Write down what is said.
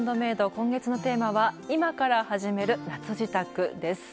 今月のテーマは「今から始める夏じたく！」です。